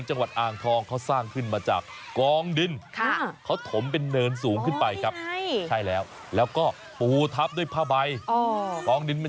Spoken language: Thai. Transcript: อเจ้าทั้งสองเห็นแล้วสนานลั่นทุ่งเลยครับสไลเดอร์บ้านทุ่งเลยครับ